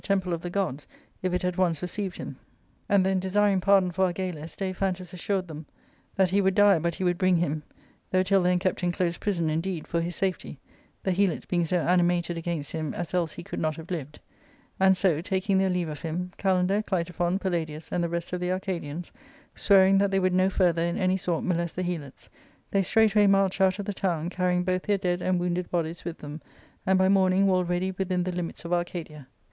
temple of the gods if it had once received him. And then, 4Q ARCADIA,— Book L desiring pardon for Argalus, Daiphantus assured them that i he would die but he would bring him, though till then kept ^ in close prison indeed for his safety, the Helots being so animated against him as else he could not have lived ; and so, taking their leave of him, Kalaader, Clitophon, Palladius, and the rest of the Arcadians, swearing that they' would no further in any sort molest the Helots, they straightway inarched out of the town, carrying both their dead and wounded bodies with them, and by morning were already within the limits of Arcadia.